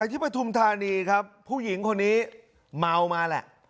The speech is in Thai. ที่ปฐุมธานีครับผู้หญิงคนนี้เมามาแหละ